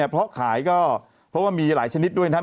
เพราะขายก็เพราะว่ามีหลายชนิดด้วยนะครับ